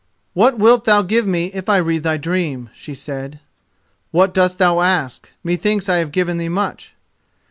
"What wilt thou give me if I read thy dream?" she said. "What dost thou ask? Methinks I have given thee much."